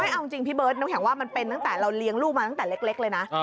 เอาจริงพี่เบิร์ดน้ำแข็งว่ามันเป็นตั้งแต่เราเลี้ยงลูกมาตั้งแต่เล็กเลยนะ